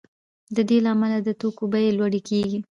د دې له امله د توکو بیې لوړې کیږي